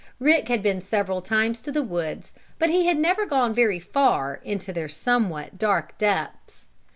Rick had been several times to the woods, but he had never gone very far into their somewhat dark depths.